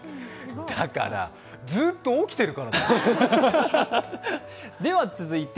だから、ずっと起きてるからだって。